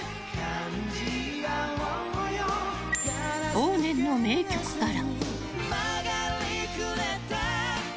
往年の名曲から。